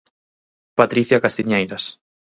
Patricia Castiñeiras.